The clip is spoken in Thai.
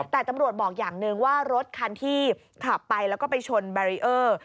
แต่ตำรวจบอกอย่างหนึ่งว่ารถคันที่ขับไปแล้วก็ไปชนแบรีเออร์